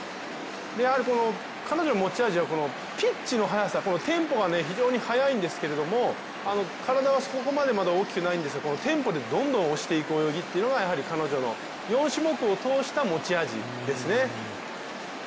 彼女の持ち味はピッチの速さ、テンポが非常に速いんですけど体はまだそこまで大きくないんですけどテンポでどんどん押していく泳ぎっていうのが彼女の４種目を通した持ち味ですね